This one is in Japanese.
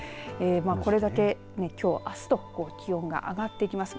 これだけきょう、あすと気温が上がってきます